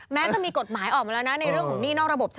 แม้จะมีกฎหมายออกมาแล้วนะในเรื่องของหนี้นอกระบบ